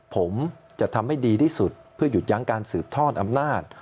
ผมจะทำให้ดีที่สุดเพื่อหยุดยั้งการสืบทอดอำนาจ